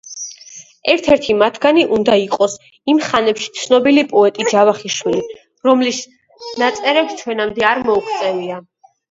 ერთ-ერთი მათგანი უნდა იყოს იმ ხანებში ცნობილი პოეტი ჯავახიშვილი, რომლის ნაწერებს ჩვენამდე არ მოუღწევია.